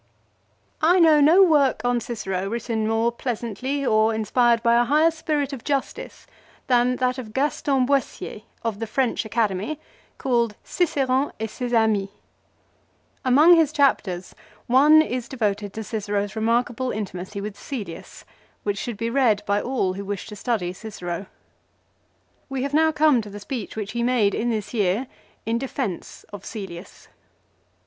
2 I know no work on Cicero written more pleasantly or inspired by a higher spirit of justice than that of Gaston Boissier, of the French Academy, called " Ciceron et ses Amis." Among his chapters one is devoted to Cicero's remarkable intimacy with Cselius, which should be read by all who wish to study Cicero. We have now come to the speech which he made in this year in defence of Cselius.